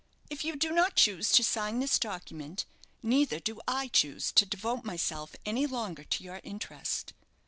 If you do not choose to sign this document, neither do I choose to devote myself any longer to your interest."